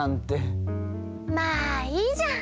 まあいいじゃん！